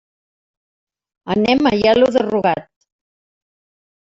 Anem a Aielo de Rugat.